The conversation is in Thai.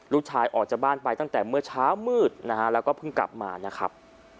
ลูกชายออกจากบ้านไปตั้งแต่เมื่อเช้ามืดนะฮะแล้วก็เพิ่งกลับมานะครับ